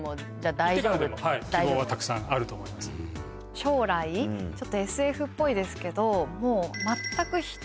将来ちょっとＳＦっぽいですけどもう。